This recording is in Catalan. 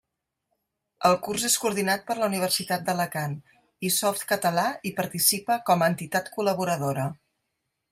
El curs és coordinat per la Universitat d'Alacant, i Softcatalà hi participa com a entitat col·laboradora.